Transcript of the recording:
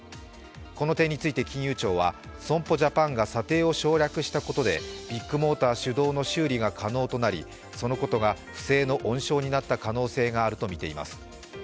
この点について金融庁は、損保ジャパンが査定を省略したことでビッグモーター主導の修理が可能となりそのことが不正の温床になった可能性があるとみています。